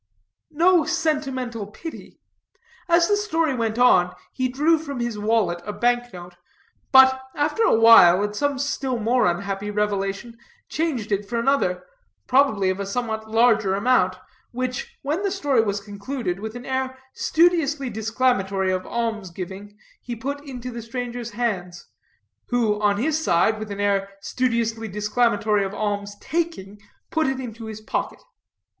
No sentimental pity. As the story went on, he drew from his wallet a bank note, but after a while, at some still more unhappy revelation, changed it for another, probably of a somewhat larger amount; which, when the story was concluded, with an air studiously disclamatory of alms giving, he put into the stranger's hands; who, on his side, with an air studiously disclamatory of alms taking, put it into his pocket.